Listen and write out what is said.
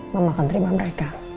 mama akan terima mereka